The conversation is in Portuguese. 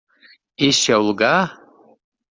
Este é o lugar?